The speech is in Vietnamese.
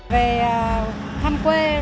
về thăm quê